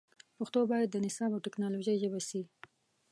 پښتو باید د نصاب او ټکنالوژۍ ژبه سي